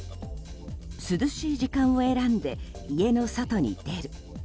涼しい時間を選んで家の外に出る。